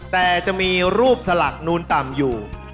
แต่จะมีรูปสลักนูนต่ำอยู่